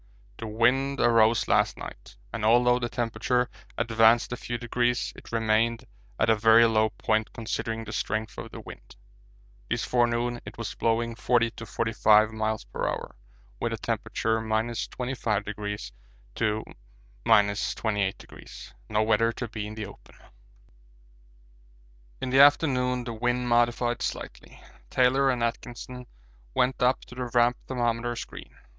The wind arose last night, and although the temperature advanced a few degrees it remained at a very low point considering the strength of the wind. This forenoon it was blowing 40 to 45 m.p.h. with a temperature 25° to 28°. No weather to be in the open. In the afternoon the wind modified slightly. Taylor and Atkinson went up to the Ramp thermometer screen.